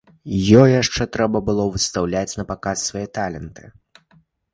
Ёй яшчэ трэба было выстаўляць напаказ свае таленты.